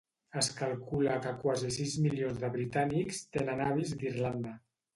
Es calcula que quasi sis milions de britànics tenen avis d’Irlanda.